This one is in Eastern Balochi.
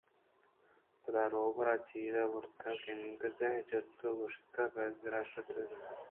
پدا روباہ ءَ چیر ء بروٛتاں کندگے جَتءُ گوٛشت بِہ دار گیشتریں کینگ ءُ کُنّت ناں